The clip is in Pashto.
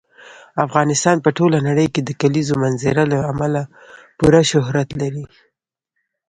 افغانستان په ټوله نړۍ کې د کلیزو منظره له امله پوره شهرت لري.